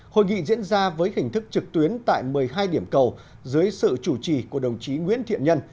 hội nghị diễn ra với hình thức trực tuyến tại một mươi hai điểm cầu dưới sự chủ trì của đồng chí nguyễn thiện nhân